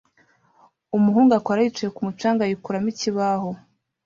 Umuhungu akora yicaye kumu canga yikuramo ikibaho